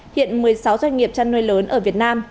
hiện một mươi sáu doanh nghiệp chăn nuôi lớn ở việt nam